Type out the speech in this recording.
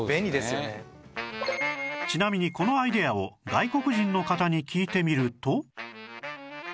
ちなみにこのアイデアを外国人の方に聞いてみると